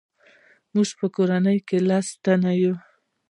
موږ په کورنۍ کې لس تنه یو.